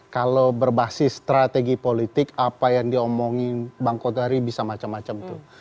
kalau berbasis strategi politik apa yang diomongin bang kodari bisa macam macam tuh